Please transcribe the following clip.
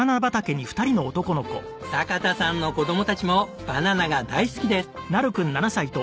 坂田さんの子どもたちもバナナが大好きです。